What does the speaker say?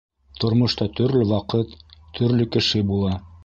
Тормошта төрлө ваҡыт, төрлө кеше була.